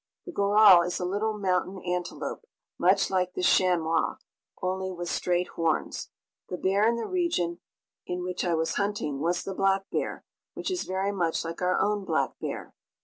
The goral is a little mountain antelope, much like the chamois, only with straight horns. The bear in the region in which I was hunting was the black bear, which is very much like our own black bear.